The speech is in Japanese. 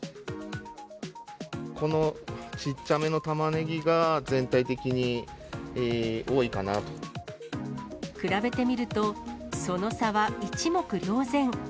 このちっちゃめのタマネギが比べてみると、その差は一目瞭然。